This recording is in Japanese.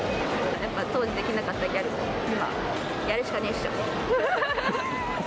やった当時できなかったギャルを今、やるしかねぇっしょ。